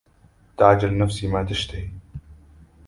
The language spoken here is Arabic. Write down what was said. تعجل نفسي ما تشتهي